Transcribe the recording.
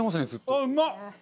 ああうまっ！